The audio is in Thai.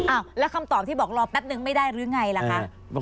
แล้วคำตอบที่บอกรอแป๊บนึงไม่ได้หรือไงล่ะคะ